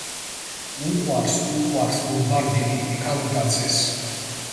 უყვარს უყვარს ბომბარდირი მიქაუტაძეს